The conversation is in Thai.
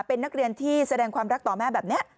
เป็นนักเรียนที่แสดงความรักต่อแม่แบบนี้